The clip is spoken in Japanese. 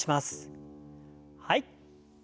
はい。